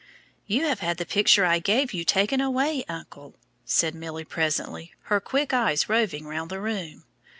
"You have had the picture I gave you taken away, uncle," said Milly presently, her quick eyes roving round the room.